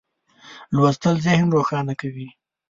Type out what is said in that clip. لوستل ذهن روښانوي.